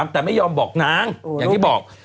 แต่ไม่ยอมบอกนางอย่างที่บอก